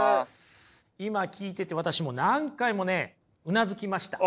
今聞いてて私も何回もねうなずきました。